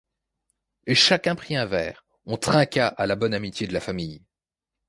Et chacun prit un verre, on trinqua à la bonne amitié de la famille.